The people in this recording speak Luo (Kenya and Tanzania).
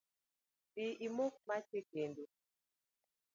Dhi imok mach e kendo